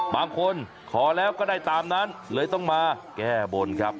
บางคนขอแล้วก็ได้ตามนั้นเลยต้องมาแก้บนครับ